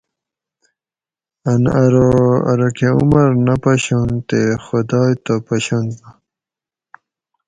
ان ارو ارو کہ عمر نہ پشونت تے خدائ تہ پشونت